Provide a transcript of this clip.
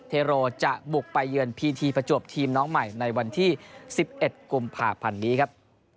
เทโรจะบุกไปเยือนพีทีประจวบทีมน้องใหม่ในวันที่๑๑กุมภาพันธ์นี้ครับ